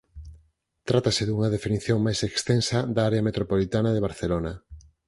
Trátase dunha definición máis extensa da área metropolitana de Barcelona.